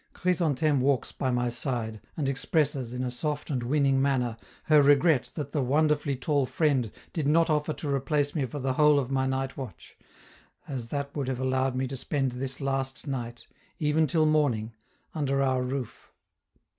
Chrysantheme walks by my side, and expresses, in a soft and winning manner, her regret that the "wonderfully tall friend" did not offer to replace me for the whole of my night watch, as that would have allowed me to spend this last night, even till morning, under our roof.